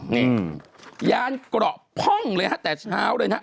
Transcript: นี่ยานกระพ่องเลยแต่เช้าเลยนะ